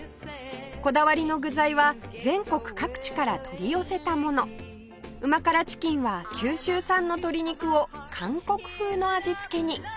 こだわりの具材は全国各地から取り寄せたもの旨辛チキンは九州産の鶏肉を韓国風の味付けに